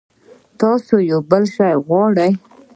تاسو بل شی غواړئ؟